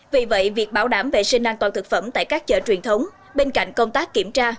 vì vậy việc bảo đảm vệ sinh an toàn thực phẩm tại các chợ truyền thống bên cạnh công tác kiểm tra